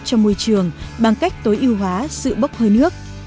cho môi trường bằng cách tối ưu hóa sự bốc hơi nước